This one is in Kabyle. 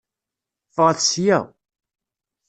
Ffɣet sya.